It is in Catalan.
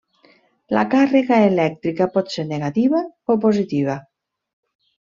La càrrega elèctrica pot ser negativa o positiva.